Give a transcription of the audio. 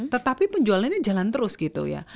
tetapi penjualannya jalan terus gitu ya